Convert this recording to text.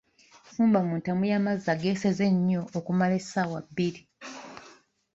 Fumba mu ntamu y'amazzi ageseze enyo okumala essaawa bbiri